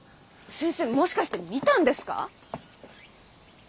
先生もしかして見たんですか？